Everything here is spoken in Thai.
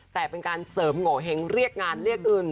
แต่เป็นการเสริมโงเห้งเรียกงานเรียกอื่น